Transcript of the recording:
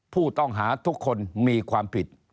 ผู้ต้องหาทุกคนมีความผิด